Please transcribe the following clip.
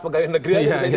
pegawai negeri aja